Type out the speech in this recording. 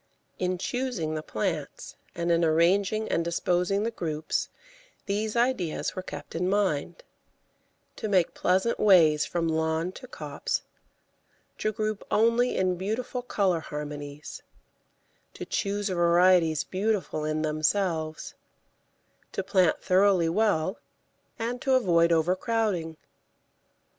In choosing the plants and in arranging and disposing the groups these ideas were kept in mind: to make pleasant ways from lawn to copse; to group only in beautiful colour harmonies; to choose varieties beautiful in themselves; to plant thoroughly well, and to avoid overcrowding.